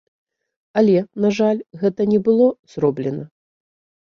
Але, на жаль, гэта не было зроблена.